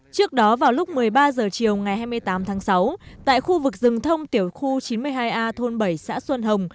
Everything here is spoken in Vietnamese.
trước đó vào lúc một mươi ba h chiều ngày hai mươi tám tháng sáu tại khu vực rừng thông tiểu khu chín mươi hai a thôn bảy xã xuân hồng